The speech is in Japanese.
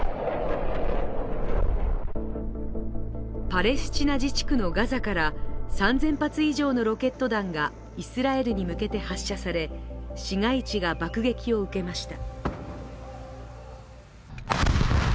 パレスチナ自治区のガザから３０００発以上のロケット弾がイスラエルに向けて発射され市街地が爆撃を受けました。